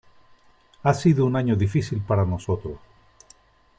Ha sido un año difícil para nosotros.